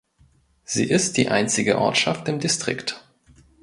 Sie ist die einzige Ortschaft im Distrikt.